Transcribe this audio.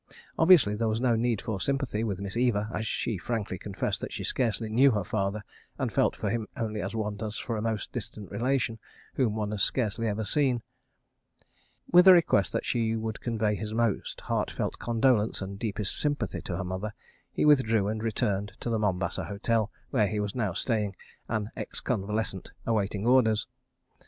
Obviously there was no need for sympathy with Miss Eva as she frankly confessed that she scarcely knew her father and felt for him only as one does for a most distant relation, whom one has scarcely ever seen. With a request that she would convey his most heart felt condolence and deepest sympathy to her mother, he withdrew and returned to the Mombasa Hotel, where he was now staying, an ex convalescent awaiting orders.